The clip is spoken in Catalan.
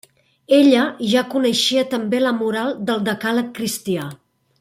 Ella, ja coneixia també la moral del decàleg cristià.